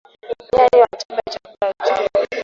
Nyani wataiba chakula chako